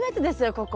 ここ。